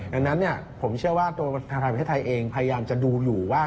ดังนั้นผมเชื่อว่าตัวธนาคารประเทศไทยเองพยายามจะดูอยู่ว่า